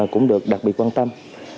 cũng được đặc biệt quan tâm